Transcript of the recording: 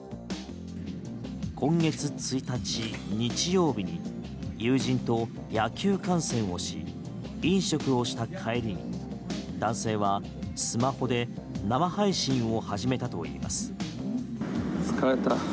今月１日、日曜日に友人と野球観戦をし飲食をした帰りに男性はスマホで生配信を始めたといいます。